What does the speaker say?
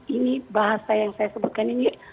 ini bahasa yang saya sebutkan ini